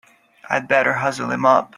I'd better hustle him up!